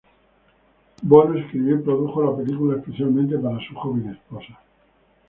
Bono escribió y produjo la película especialmente para su joven esposa.